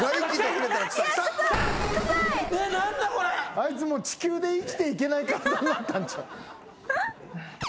あいつもう地球で生きていけない体になったんちゃう？